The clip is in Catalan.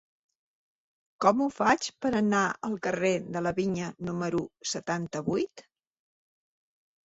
Com ho faig per anar al carrer de la Vinya número setanta-vuit?